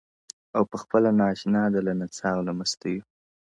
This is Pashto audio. او پخپله نا آشنا ده له نڅا او له مستیو -